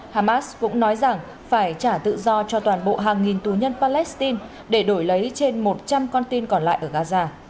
hamas cũng nói rằng phải trả tự do cho toàn bộ hàng nghìn tù nhân palestine để đổi lấy trên một trăm linh con tin còn lại ở gaza